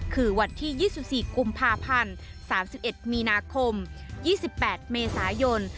คือวันที่๒๔กุมภาพันธ์๓๑มีนาคม๒๘เมษายน